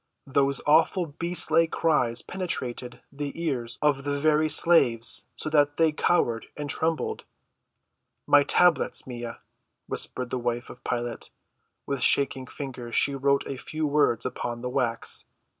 Those awful beast‐like cries penetrated the ears of the very slaves so that they cowered and trembled. "My tablets, Maia," whispered the wife of Pilate. With shaking fingers she wrote a few words upon the wax.